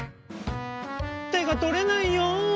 「てがとれないよ！」。